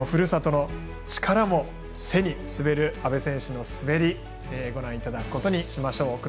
そのふるさとの力も背に滑る阿部選手の滑りご覧いただくことにしましょう。